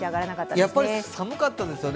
やっぱり寒かったですよね